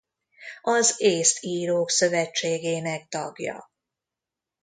Az Észt Írók Szövetségének tagja.